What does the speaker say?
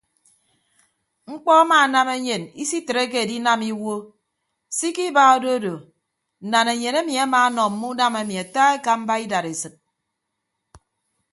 Mkpọ amaanam enyen isitreke edinam iwuo se ikiba odo odo nnanaenyen emi amaanọ mme unam emi ata ekamba idadesịd.